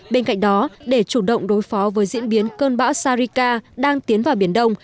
bên cạnh đó để chủ động đối phó với diễn biến cơn bão sarika đang tiến vào biển đông